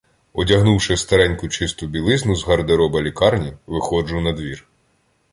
Одягнувши стареньку чисту білизну з гардероба лікарні, виходжу надвір.